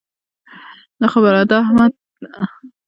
د احمد په خبره سم و نه پوهېدم؛ خبره يې په خوله کې وژوله.